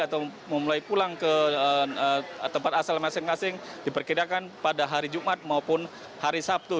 atau memulai pulang ke tempat asal masing masing diperkirakan pada hari jumat maupun hari sabtu